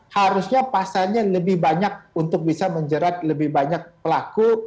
harusnya pasalnya lebih banyak untuk bisa menjerat lebih banyak pelaku